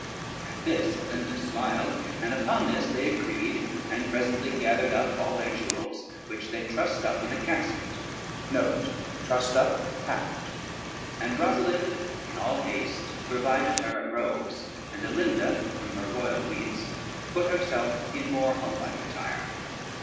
At this Alinda smiled, and upon this they agreed, and presently gathered up all their jewels, which they trussed up in a casket, and Rosalynde in all haste provided her of robes, and Alinda, from her royal weeds, put herself in more homelike attire.